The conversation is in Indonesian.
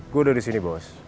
gue udah di sini bos